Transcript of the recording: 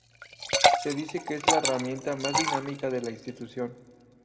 Se dice que es la herramienta más dinámica de la institución.